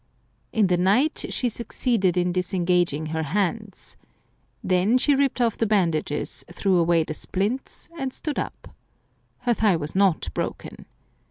In the night she succeeded in disengaging her hands. Then she ripped off the bandages, threw away the splints, and stood up. Her thigh was not broken.